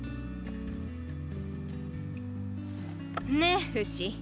ねぇフシ。